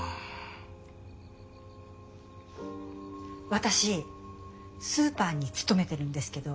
私スーパーに勤めてるんですけど。